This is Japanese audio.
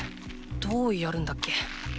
どうやるんだっけ。